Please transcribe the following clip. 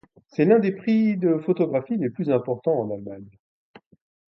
C'est l'un des prix de photographie les plus importants en Allemagne.